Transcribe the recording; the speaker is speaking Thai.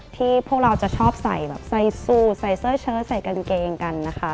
ที่พวกเราจะชอบใส่ซูต์ใส่เสื้อเชิ้ลใส่กางเกงกัน